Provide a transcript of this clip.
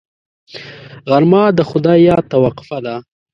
غرمه د خدای یاد ته وقفه ده